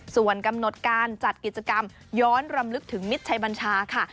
ส่วนกำหนดการจัดกิจกรรมย้อนรำลึกถึงมิตรชัยบัญชาค่ะ